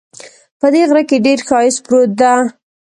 په دې غره کې ډېر ښایست پروت ده